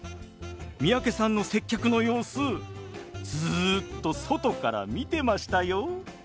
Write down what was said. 三宅さんの接客の様子ずっと外から見てましたよ。